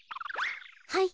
はい。